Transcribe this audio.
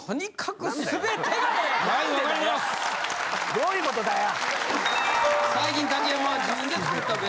どういうことだよ！